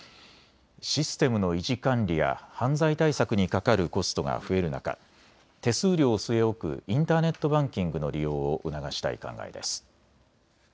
システムの維持管理や犯罪対策にかかるコストが増える中、手数料を据え置くインターネットバンキングの利用を促したい考えです。